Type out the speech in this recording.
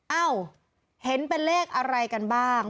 เอ้าเห็นเป็นเลขอะไรกันบ้าง